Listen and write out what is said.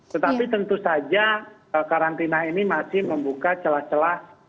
tetapi tentu saja karantina ini masih membuka celah celah